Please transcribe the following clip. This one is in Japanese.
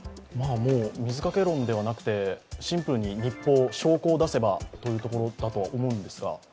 もう水掛け論ではなくて、シンプルに証拠を出せばというところだとは思うんですが。